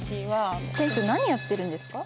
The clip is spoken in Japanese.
店長何やってるんですか？